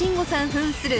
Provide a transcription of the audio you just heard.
ふんする